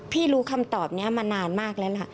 พี่รู้คำตอบนี้มานานมากแล้ว